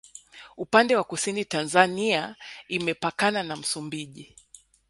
upande wa kusini tanzania imepakana na msumbiji